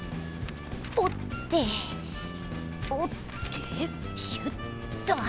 おっておってシュッと。